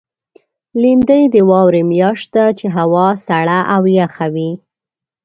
لېندۍ د واورې میاشت ده، چې هوا سړه او یخه وي.